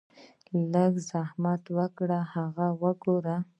لږ زحمت اوکړئ هغه اوګورئ -